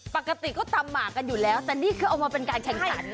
ปกติเขาตำหมากกันอยู่แล้วแต่นี่คือเอามาเป็นการแข่งขัน